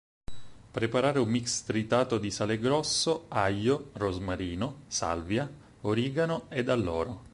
Preparare un mix tritato di sale grosso, aglio, rosmarino, salvia, origano ed alloro.